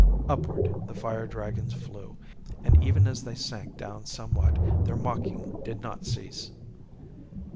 Upward the fire dragons flew, and even as they sank down somewhat, their mocking did not cease.